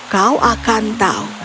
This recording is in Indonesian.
kau akan tahu